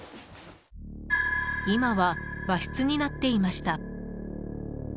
今は和室になっていました。